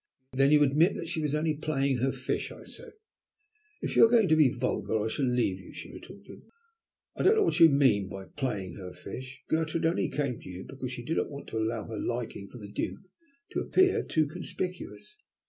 "Then you admit that she was only playing her fish?" I said. "If you are going to be vulgar I shall leave you," she retorted; "I don't know what you mean by 'playing her fish.' Gertrude only came to you because she did not want to allow her liking for the Duke to appear too conspicuous."